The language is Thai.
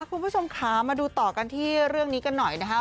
คุณผู้ชมค่ะมาดูต่อกันที่เรื่องนี้กันหน่อยนะครับ